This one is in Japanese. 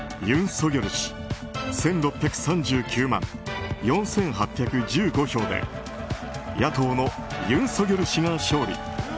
ユン・ソギョル氏１６３９万４８１５票で野党のユン・ソギョル氏が勝利。